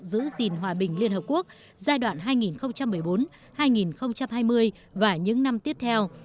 giữ gìn hòa bình liên hợp quốc giai đoạn hai nghìn một mươi bốn hai nghìn hai mươi và những năm tiếp theo